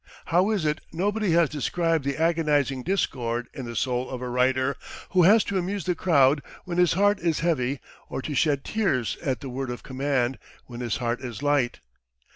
How is it nobody has described the agonizing discord in the soul of a writer who has to amuse the crowd when his heart is heavy or to shed tears at the word of command when his heart is light?